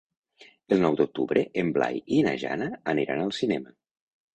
El nou d'octubre en Blai i na Jana aniran al cinema.